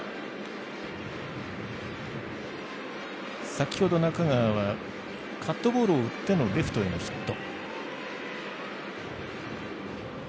先ほど中川はカットボールを打ってのレフトへのヒット。